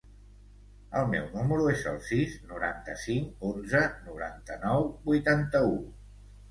El meu número es el sis, noranta-cinc, onze, noranta-nou, vuitanta-u.